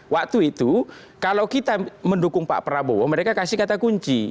waktu itu kalau kita mendukung pak prabowo mereka kasih kata kunci